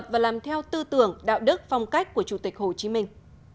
và làm theo tư tưởng đạo đức phong cách của chủ tịch hồ chí minh